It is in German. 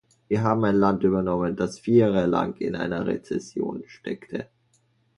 Wir haben ein Land übernommen, das vier Jahre lang in einer Rezession steckte.